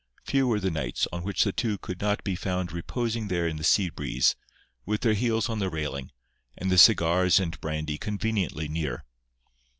Few were the nights on which the two could not be found reposing there in the sea breeze, with their heels on the railing, and the cigars and brandy conveniently near.